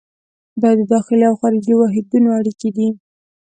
دا د داخلي او خارجي واحدونو اړیکې دي.